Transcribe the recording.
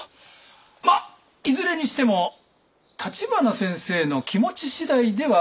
まっいずれにしても立花先生の気持ち次第ではありませんか？